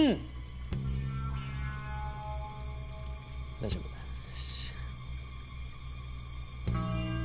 大丈夫よし！